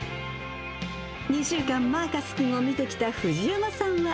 ２週間、マーカス君を見てきた藤山さんは。